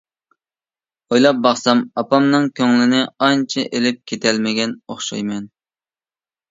ئويلاپ باقسام ئاپامنىڭ كۆڭلىنى ئانچە ئېلىپ كېتەلمىگەن ئوخشايمەن.